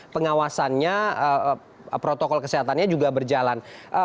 pengawasannya protokol kesehatannya juga berjalan